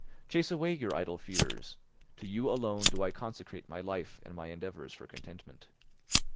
Chase away your idle fears; to you alone do I consecrate my life and my endeavours for contentment.